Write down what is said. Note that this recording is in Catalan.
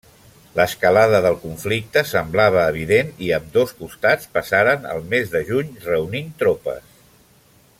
L'escalada del conflicte semblava evident, i ambdós costats passaren el mes de juny reunint tropes.